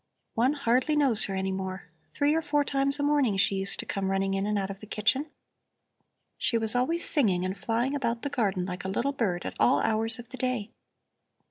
One hardly knows her any more. Three or four times a morning she used to come running in and out of the kitchen. She was always singing and flying about the garden like a little bird, at all hours of the day.